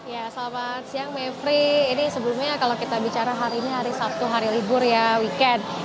ya selamat siang mevri ini sebelumnya kalau kita bicara hari ini hari sabtu hari libur ya weekend